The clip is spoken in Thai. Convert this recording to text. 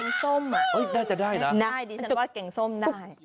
เอ้ยได้จะได้นะใช่ดีฉันก็ว่าเก่งส้มได้